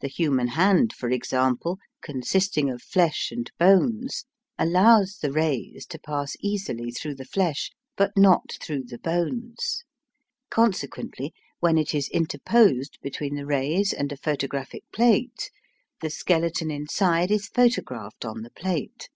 The human hand, for example, consisting of flesh and bones, allows the rays to pass easily through the flesh, but not through the bones. Consequently, when it is interposed between the rays and a photographic plate, the skeleton inside is photographed on the plate.